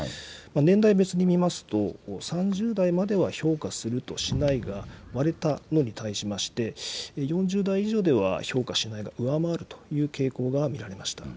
年代別に見ますと、３０代までは評価するとしないが割れたのに対しまして、４０代以上では評価しないが上回るという傾向が見られました。